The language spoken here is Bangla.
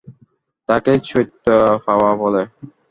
তাকেই চৈতে পাওয়া বলে।